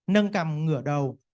nâng cầm ngửa đầu